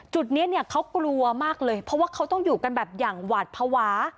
จุดนี้เนี่ยเขากลัวมากเลยเพราะว่าเขาต้องอยู่กันแบบอย่างหวาดภาวะ